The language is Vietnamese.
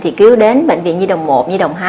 thì cứu đến bệnh viện nhi đồng một nhi đồng hai